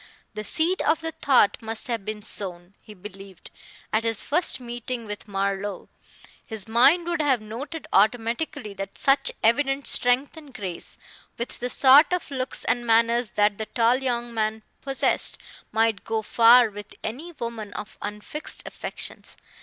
The seed of the thought must have been sown, he believed, at his first meeting with Marlowe; his mind would have noted automatically that such evident strength and grace, with the sort of looks and manners that the tall young man possessed, might go far with any woman of unfixed affections.